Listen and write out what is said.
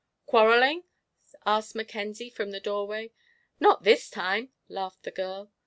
"Quarrelling?" asked Mackenzie, from the doorway. "Not this time," laughed the girl.